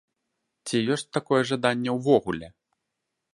Ці ёсць такое жаданне ўвогуле?